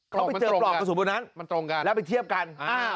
เขาไปเจอปลอกกระสุนบนนั้นแล้วไปเทียบกัน